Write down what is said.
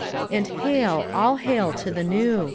"And hail, all hail to the New!